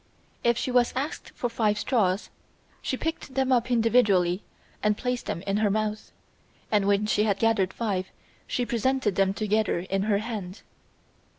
If she was asked for five straws, she picked them up individually and placed them in her mouth, and when she had gathered five she presented them together in her hand.